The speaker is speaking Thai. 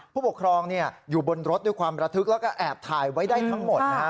ผู้ปกครองอยู่บนรถด้วยความระทึกแล้วก็แอบถ่ายไว้ได้ทั้งหมดนะฮะ